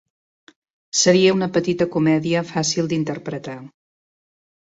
Seria una petita comèdia fàcil d'interpretar.